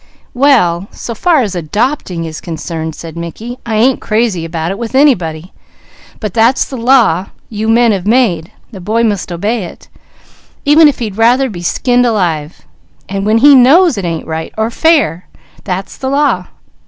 "Well so far as 'adopting' is concerned," said Mickey, "I ain't crazy about it, with anybody. But that's the law you men have made; a boy must obey it, even if he'd rather be skinned alive, and when he knows it ain't right or fair. That's the law.